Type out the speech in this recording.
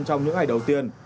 trong những ngày đầu tiên